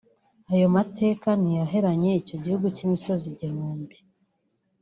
Ayo mateka ntiyaheranye icyo gihugu cy’imisozi igihumbi